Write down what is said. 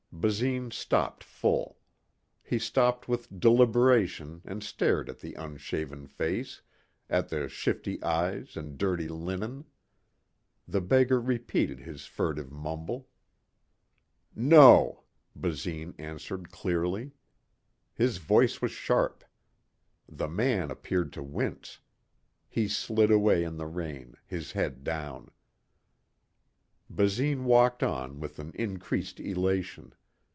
Basine stopped full. He stopped with deliberation and stared at the unshaven face, at the shifty eyes and dirty linen. The beggar repeated his furtive mumble. "No," Basine answered clearly. His voice was sharp. The man appeared to wince. He slid away in the rain, his head down. Basine walked on with an increased elation.